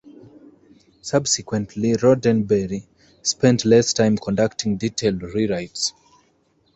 Subsequently Roddenberry spent less time conducting detailed re-writes.